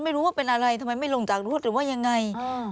ไม่รู้ว่าเป็นอะไรทำไมไม่ลงจากรถหรือว่ายังไง